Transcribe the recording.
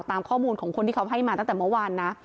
ตามข้อมูลของคนที่เขาให้มาตั้งแต่เมื่อวานนะ